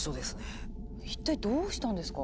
一体どうしたんですか？